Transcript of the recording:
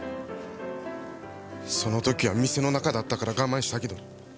その時は店の中だったから我慢したけど。